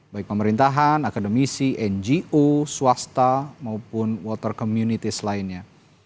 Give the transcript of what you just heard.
baik pemerintahan akademisi ngo swasta maupun water communitys lainnya